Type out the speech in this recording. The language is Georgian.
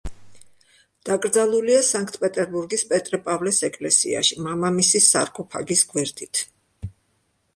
დაკრძალულია სანქტ-პეტერბურგის პეტრე-პავლეს ეკლესიაში, მამამისის სარკოფაგის გვერდით.